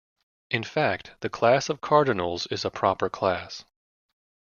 In fact, the class of cardinals is a proper class.